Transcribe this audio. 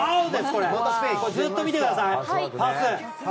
ずっと見てください。